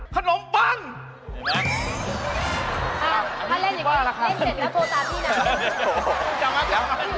ถ้าเล่นอย่างนี้เล่นเสร็จแล้วโทรตามพี่หนัก